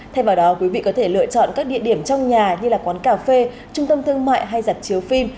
thay vào đó quý vị có thể lựa chọn các địa điểm trong nhà như quán cà phê trung tâm thương mại hay giạp chiếu phim